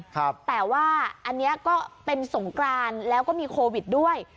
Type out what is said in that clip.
แต่ว่าอันนี้ก็เป็นสงกรานแล้วก็มีโควิดด้วย